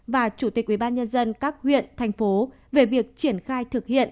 và chủ tịch ubnd các huyện thành phố về việc triển khai thực hiện